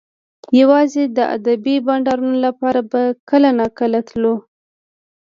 یوازې د ادبي بنډارونو لپاره به کله ناکله تللو